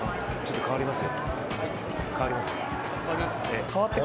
かわります。